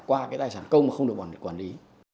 qua cái tài sản công mà không được quản lý